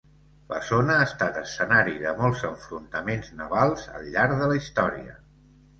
La zona ha estat escenari de molts enfrontaments navals al llarg de la història.